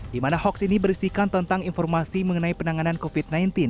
di mana hoax ini berisikan tentang informasi mengenai penanganan covid sembilan belas